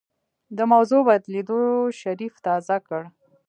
د موضوع بدلېدو شريف تازه کړ.